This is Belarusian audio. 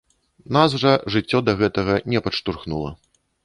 Нас жа жыццё да гэтага не падштурхнула.